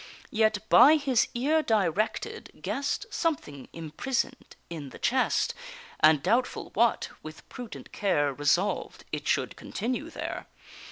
Yet, by his ear directed, guess'd Something imprison'd in the chest, And, doubtful what, with prudent care Resolved it should continue there.